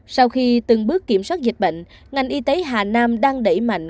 sau khi từng bước kiểm soát dịch bệnh ngành y tế hà nam đang đẩy mạnh